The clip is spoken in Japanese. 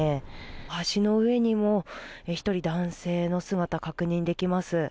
橋の上にも１人男性の姿が確認できます。